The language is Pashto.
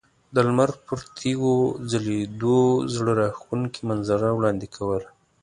د لمر پر تیږو ځلیدو زړه راښکونکې منظره وړاندې کوله.